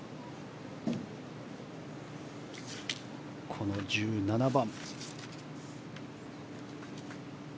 この１７番。